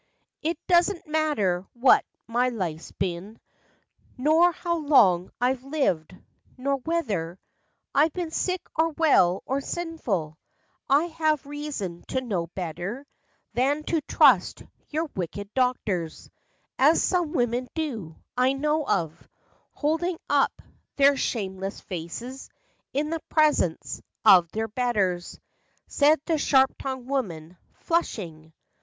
"It do n't matter what my life's been, Nor how long I've lived, nor whether I've been sick or well, or sinful, I have reason to know better Than to trust your wicked doctors, As some women do, I know of, Holding up their shameless faces In the presence of their betters," Said the sharp tqngued woman, flushing.